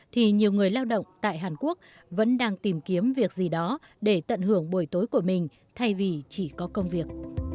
thì nhiều người lao động tại hàn quốc vẫn đang tìm kiếm việc gì đó để tận hưởng buổi tối của mình thay vì chỉ có công việc